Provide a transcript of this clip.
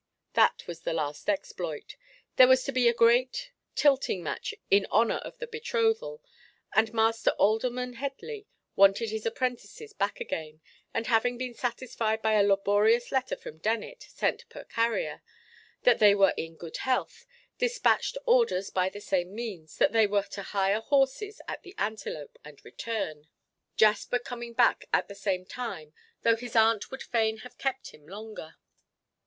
That was the last exploit. There was to be a great tilting match in honour of the betrothal, and Master Alderman Headley wanted his apprentices back again, and having been satisfied by a laborious letter from Dennet, sent per carrier, that they were in good health, despatched orders by the same means, that they were to hire horses at the Antelope and return—Jasper coming back at the same time, though his aunt would fain have kept him longer.